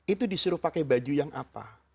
itu disuruh pakai baju yang apa